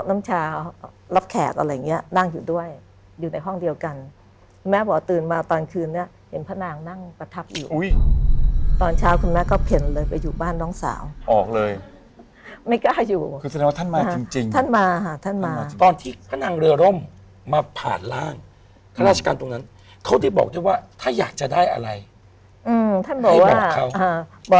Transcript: มาดูอีกภาพหนึ่งครับภาพนี้นะครับ